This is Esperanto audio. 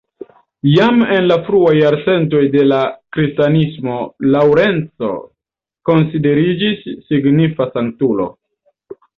Jam en la fruaj jarcentoj de la kristanismo Laŭrenco konsideriĝis signifa sanktulo.